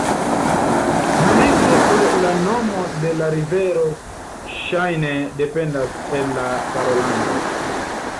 Pli supre la nomo de la rivero ŝajne dependas el la parolanto.